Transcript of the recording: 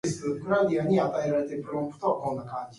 It is compatible with Surface Pen styluses.